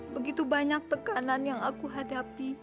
begitu banyak tekanan yang aku hadapi